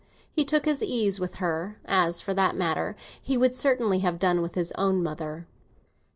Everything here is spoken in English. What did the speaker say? He took his ease with her—as, for that matter, he would certainly have done with his own mother.